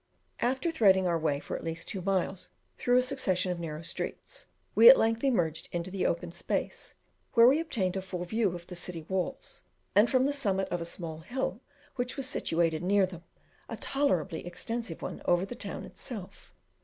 After threading our way for at least two miles through a succession of narrow streets, we at length emerged into the open space, where we obtained a full view of the city walls, and from the summit of a small hill which was situated near them, a tolerably extensive one over the town itself.